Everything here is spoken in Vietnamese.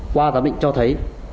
qua giám định cho thấy